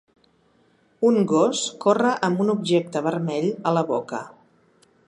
Un gos corre amb un objecte vermell a la boca.